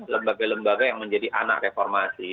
lembaga lembaga yang menjadi anak reformasi